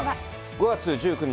５月１９日